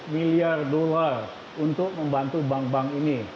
dua puluh miliar dolar untuk membantu bank bank ini